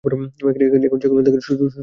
এখানে সেখানে না থেকে সোজা বাসায় চলে আয়!